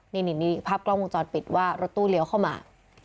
นี่ภาพกล้องวงจรปิดว่ารถตู้เลี้ยวเข้ามา